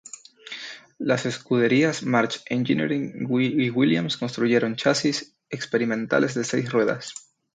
Las escuderías March Engineering y Williams construyeron chasis experimentales de seis ruedas.